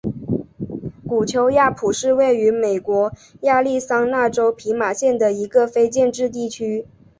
古丘亚普是位于美国亚利桑那州皮马县的一个非建制地区。